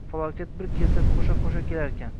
Falokat bir kelsa, qo`sha-qo`sha kelarkan